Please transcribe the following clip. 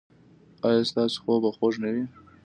ایا ستاسو خوب به خوږ نه وي؟